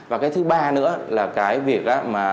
và cái thứ ba nữa là cái việc